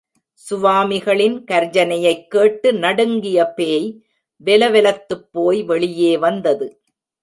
சுவாமிகளின் கர்ஜனையைக் கேட்டு நடுங்கிய பேய், வெல வெலத்துப் போய் வெளியே வந்தது.